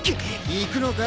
いくのか！？